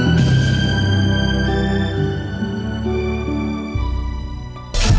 aku mau berhenti